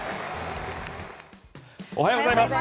おはようございます。